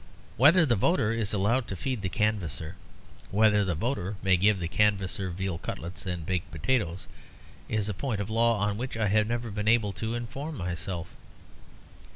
Whether the voter is allowed to feed the canvasser, whether the voter may give the canvasser veal cutlets and baked potatoes, is a point of law on which I have never been able to inform myself.